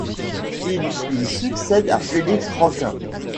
Il y succède à Félix Rocquain.